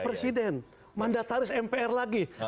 presiden mandataris mpr lagi